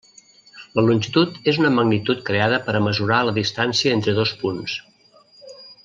La longitud és una magnitud creada per a mesurar la distància entre dos punts.